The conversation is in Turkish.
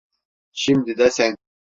Şimdi de sen.